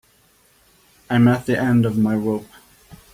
I'm at the end of my rope.